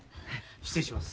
失礼します。